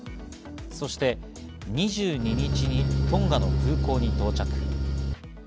そして２２日にトンガの空港に到着。